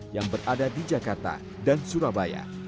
yang berada di jakarta dan surabaya